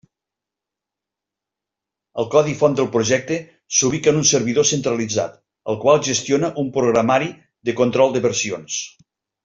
El codi font del projecte s'ubica en un servidor centralitzat, el qual gestiona un programari de control de versions.